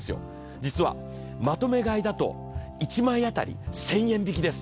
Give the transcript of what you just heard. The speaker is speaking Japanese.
実はまとめ買いだと１枚当たり１０００円引きです。